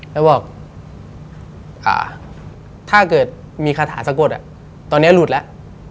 แล้วบอกถ้าเกิดมีคาถาสะกดตอนนี้หลุดแล้ว